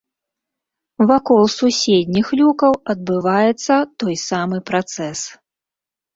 Вакол суседніх люкаў адбываецца той самы працэс.